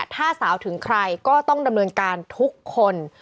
ถ้าสาวถึงใครก็ต้องดำเนินการทุกคน